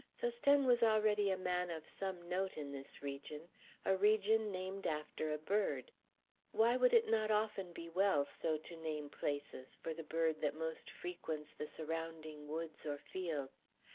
Sosthène was already a man of some note in this region, a region named after a bird. Why would it not often be well so to name places, for the bird that most frequents the surrounding woods or fields?